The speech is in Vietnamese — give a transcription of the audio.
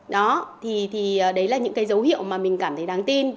đó thì đấy là những cái dấu hiệu mà mình cảm thấy đáng tin